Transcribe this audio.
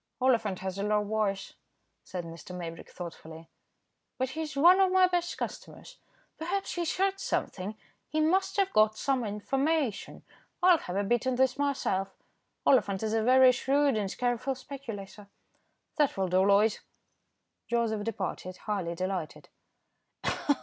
"Oliphant has a low voice," said Mr. Maybrick, thoughtfully, "but he's one of my best customers. Perhaps he's heard something; he must have got some information. I'll have a bit in this myself. Oliphant is a very shrewd and careful speculator. That will do, Loyd." Joseph departed, highly delighted.